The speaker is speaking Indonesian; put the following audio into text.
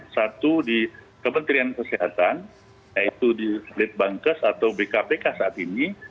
satu di kementerian kesehatan yaitu di bkpk saat ini